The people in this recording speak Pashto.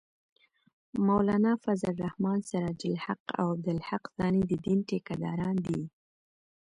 مولانا فضل الرحمن ، سراج الحق او عبدالحق ثاني د دین ټېکه داران دي